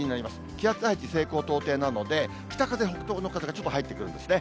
気圧配置、西高東低なので、北風、北東の風がちょっと入ってくるんですね。